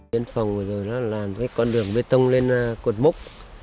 tuyến phòng vừa rồi là con đường bê tông lên cuộn mốc